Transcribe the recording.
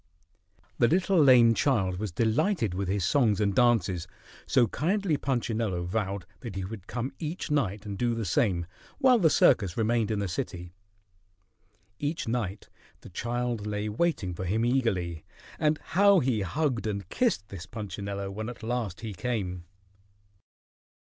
The little lame child was delighted with his songs and dances, so kindly Punchinello vowed that he would come each night and do the same, while the circus remained in the city. Each night the child lay waiting for him eagerly, and how he hugged and kissed this Punchinello when at last he came!